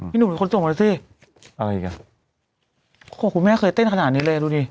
พี่หนุ่มมีคนส่งมาแล้วสิเอาอีกก่อนโอ้โหคุณแม่เคยเต้นขนาดนี้เลยดูดิ